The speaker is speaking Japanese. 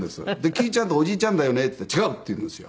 「きーちゃんっておじいちゃんだよね？」って言ったら「違う」って言うんですよ。